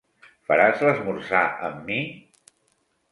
Faràs l'esmorzar amb mi?